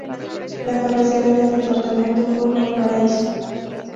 La cabecera del departamento fue Valparaíso.